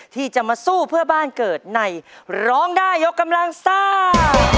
ที่จะมาสู้เพื่อบ้านเกิดในร้องได้ยกกำลังซ่า